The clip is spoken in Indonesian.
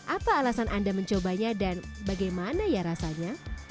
apa alasan anda mencobanya dan bagaimana ya rasanya